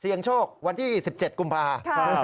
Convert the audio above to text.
เสียงโชควันที่๑๗กุมภา